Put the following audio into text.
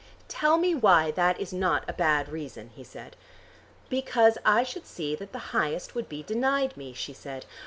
"Tell me why that is not a bad reason," he said. "Because I should see that the highest would be denied me," she said.